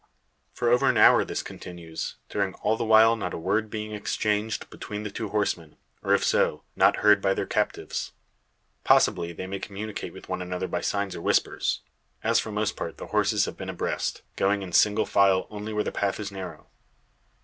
For over an hour this continues; during all the while not a word being exchanged between the two horsemen, or if so, not heard by their captives. Possibly they may communicate with one another by signs or whispers; as for most part the horses have been abreast, going in single file only where the path is narrow.